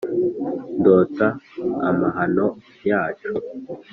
ndota amahano yacu.